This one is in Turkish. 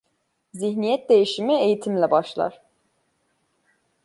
Zihniyet değişimi eğitimle başlar.